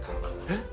えっ？